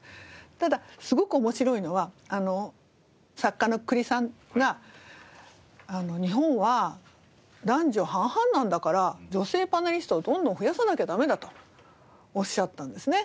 ただすごく面白いのは作家の久利さんが「日本は男女半々なんだから女性パネリストをどんどん増やさなきゃダメだ」とおっしゃったんですね。